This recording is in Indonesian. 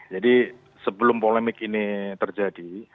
jadi sebelum polemik ini terjadi